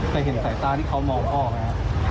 แต่เห็นสายตาที่เขามองพ่อไหมครับ